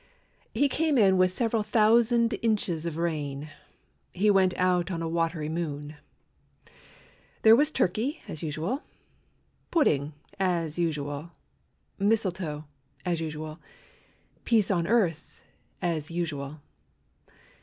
He came in with several thousand inches of rain; He went out on a watery moon. There was turkey as usual, Pudding as usual, Mistletoe as usual, Peace on earth as usual.